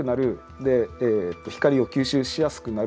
で光を吸収しやすくなる。